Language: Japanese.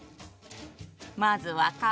まずは皮。